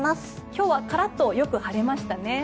今日はカラッとよく晴れましたね。